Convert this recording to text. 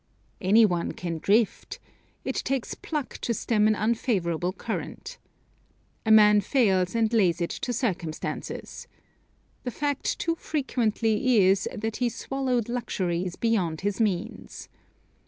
Any one can drift. It takes pluck to stem an unfavorable current. A man fails and lays it to circumstances. The fact too frequently is that he swallowed luxuries beyond his means.